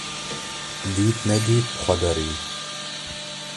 Dît nedît bi xwe de rî